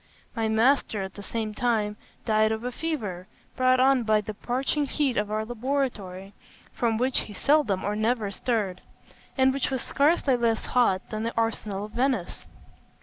My master, at the same time, died of a fever, brought on by the parching heat of our laboratory, from which he seldom or never stirred, and which was scarcely less hot than the arsenal of Venice.